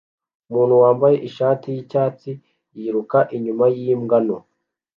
Umuntu wambaye ishati yicyatsi yiruka inyuma yimbwa nto